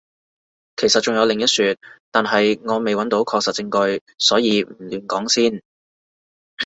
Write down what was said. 其實仲有另一說，但係我未揾到確實證據，所以唔亂講先